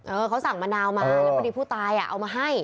เขาสั่งมะนาวมาแล้วพอดีผู้ตายอ่ะเอามาให้